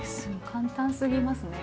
簡単すぎますね。